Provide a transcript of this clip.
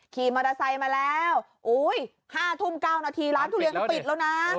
ขี่มอเตอร์ไซค์มาแล้ว๕ทุ่ม๙นาทีร้านทุเรียนก็ปิดแล้วนะ